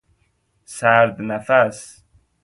سرد نفس